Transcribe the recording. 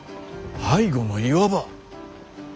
背後の岩場。